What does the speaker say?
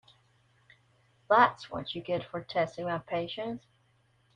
That’s what you get for testing my patience.